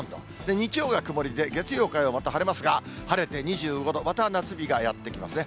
日曜が曇りで、月曜、火曜、また晴れますが、晴れてまた夏日がやって来ますね。